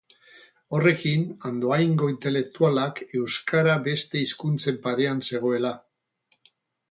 Horrekin, Andoaingo intelektualak euskara beste hizkuntzen parean zegoela.